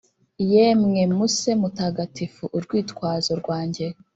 yemwe musee mutagatifu, urwitwazo rwanjye! -